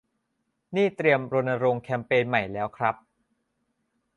นี่เตรียมรณรงค์แคมเปญใหม่แล้วครับ